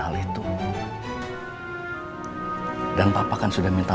dan selanjutnya kalo kamu udah ke viksa